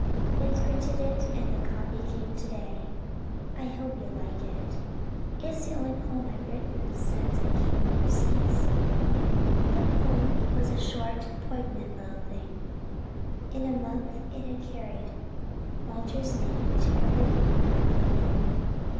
It printed it and the copy came today. I hope you'll like it. It's the only poem I've written since I came overseas." The poem was a short, poignant little thing. In a month it had carried Walter's name to every corner of the globe.